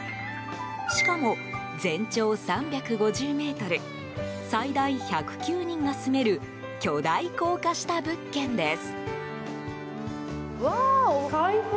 しかも、全長３５０ｍ最大１０９人が住める巨大高架下物件です。